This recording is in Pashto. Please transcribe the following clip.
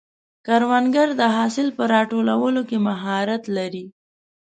کروندګر د حاصل په راټولولو کې مهارت لري